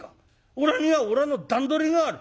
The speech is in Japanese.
おらにはおらの段取りがある。